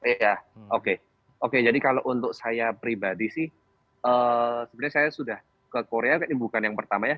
iya oke oke jadi kalau untuk saya pribadi sih sebenarnya saya sudah ke korea bukan yang pertama ya